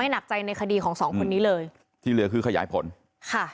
หนักใจในคดีของสองคนนี้เลยที่เหลือคือขยายผลค่ะ